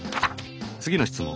次の質問。